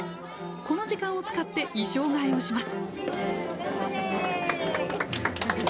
この時間を使って衣装替えをします。